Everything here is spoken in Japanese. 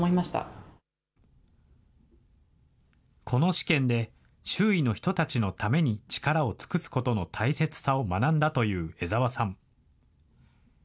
この試験で、周囲の人たちのために力を尽くすことの大切さを学んだという江澤さん。